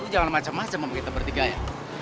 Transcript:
lo jangan macem macem sama kita bertiga ya